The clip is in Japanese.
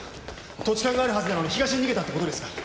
土地勘があるはずなのに東に逃げたって事ですか？